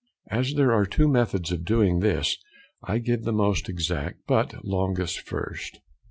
As there are two methods of doing this, I give the most exact but longest first.